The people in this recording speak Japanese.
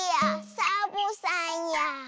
サボさんや。